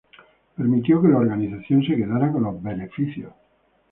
Permitió que la organización se quedara con los beneficios.